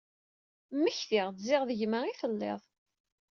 Mmektiɣ-d ziɣ d gma i telliḍ.